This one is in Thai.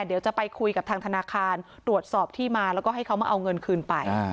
เดี๋ยวจะไปคุยกับทางธนาคารตรวจสอบที่มาแล้วก็ให้เขามาเอาเงินคืนไป